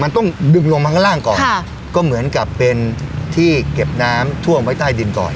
มันต้องดึงลงมาข้างล่างก่อนค่ะก็เหมือนกับเป็นที่เก็บน้ำท่วมไว้ใต้ดินก่อน